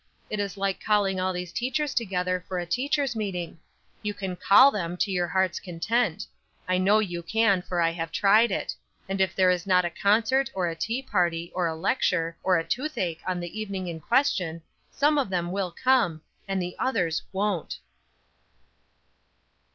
It is like calling all these teachers together for a teachers' meeting. You can call them to your heart's content; I know you can, for I have tried it; and if there is not a concert, or a tea party, or a lecture, or a toothache on the evening in question some of them will come, and the others won't."